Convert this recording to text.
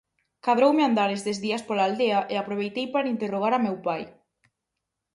Cadroume andar estes días pola aldea e aproveitei para interrogar a meu pai.